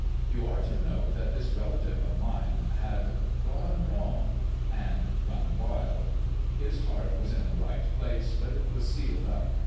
You are to know that this relative of mine had gone wrong, and PRIVATE RICHARD DOUBLEDICK 71 run wild. His heart was in the right place, but it was sealed up.